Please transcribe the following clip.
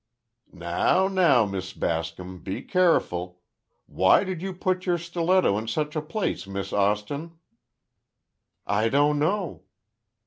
"Now, now, Miss Bascom, be careful! Why did you put your stiletto in such a place, Miss Austin?" "I don't know."